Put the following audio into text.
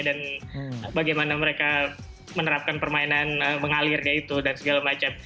dan bagaimana mereka menerapkan permainan mengalir gitu dan segala macam